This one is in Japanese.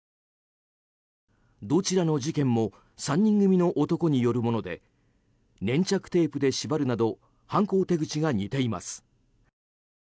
どちらの事件も３人組の男によるもので粘着テープで縛るなど犯行手口が似ています。